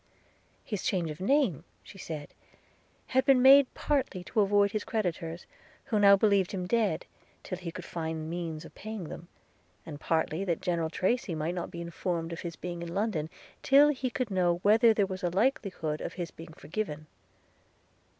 – His change of name,' she said, 'had been made partly to avoid his creditors, who now believed him dead, till he could find means of paying them; and partly that General Tracy might not be informed of his being in London, till he could know whether there was a likelihood of his being forgiven.'